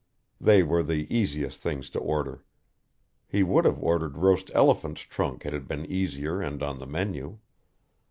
They were the easiest things to order. He would have ordered roast elephant's trunk had it been easier and on the menu.